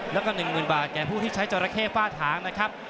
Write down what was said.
แล้วก็๑๐๐๐บาทแก่ผู้ที่ใช้จราเข้ฝ้าถางนะครับ